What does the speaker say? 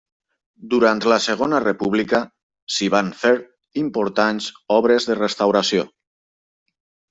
Durant la segona república s'hi van fer importants obres de restauració.